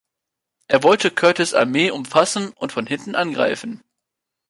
Er wollte Curtis' Armee umfassen und von hinten angreifen.